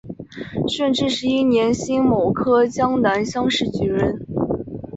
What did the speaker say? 顺治十一年辛卯科江南乡试举人。